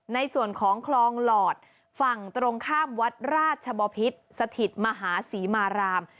ในส่วนของคลองหลอดฝั่งตรงข้ามวัดราชบพิษสถิตมหาศรีมาราม